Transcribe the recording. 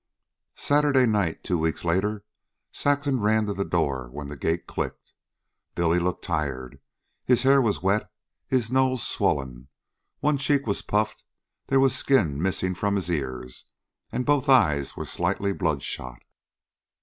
Saturday night, two weeks later, Saxon ran to the door when the gate clicked. Billy looked tired. His hair was wet, his nose swollen, one cheek was puffed, there was skin missing from his ears, and both eyes were slightly bloodshot.